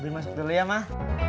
masuk dulu ya mah